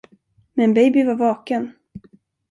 Men Baby var vaken.